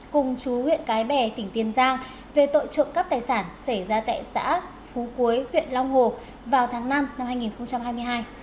cùng chú huyện cái bè tỉnh tiền giang về tội trộm cắp tài sản xảy ra tại xã phú quế huyện long hồ vào tháng năm năm hai nghìn hai mươi hai